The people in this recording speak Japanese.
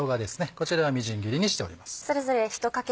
こちらはみじん切りにしております。